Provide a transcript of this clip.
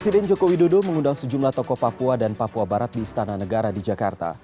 presiden joko widodo mengundang sejumlah tokoh papua dan papua barat di istana negara di jakarta